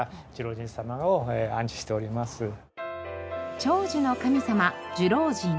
長寿の神様寿老神。